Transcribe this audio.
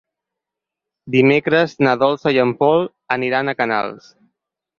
Dimecres na Dolça i en Pol aniran a Canals.